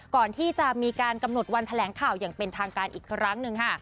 ก่อนที่จะมีการกำหนดวันแถลงข่าวอย่างเป็นทางการอีกครั้งหนึ่งค่ะ